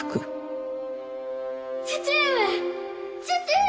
父上父上！